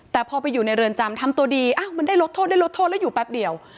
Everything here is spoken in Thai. แต่พอไปอยู่ในเรือนจำทำตัวดีมันได้ลดโทษได้ลดโทษแล้วอยู่แป๊บเดียว